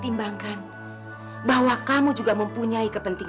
yang mau dipertemukan dateng